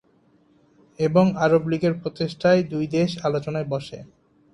এবং আরব লীগের প্রচেষ্টায় দুই দেশ আলোচনায় বসে।